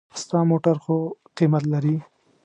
ستا موټر خو قېمت لري.